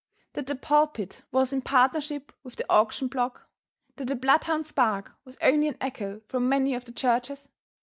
That the pulpit was in partnership with the auction block that the bloodhound's bark was only an echo from many of the churches?